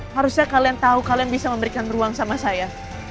harusnya kalian tahu kalian bisa memberikan ruang sama saya